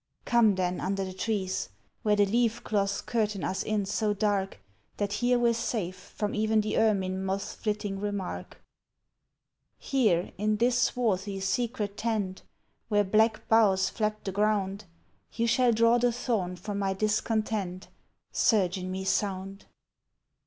Come then under the trees, where the leaf cloths Curtain us in so dark That here we're safe from even the ermin moth's Flitting remark. Here in this swarthy, secret tent, Where black boughs flap the ground, You shall draw the thorn from my discontent, Surgeon me sound.